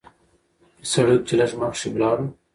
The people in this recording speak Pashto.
پۀ سړک چې لږ مخکښې لاړو